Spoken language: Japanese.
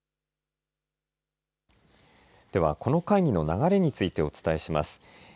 では、この会議の流れについてお伝えします。